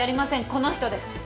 この人です。